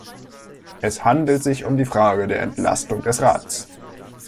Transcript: Es handelt sich um die Frage der Entlastung des Rats.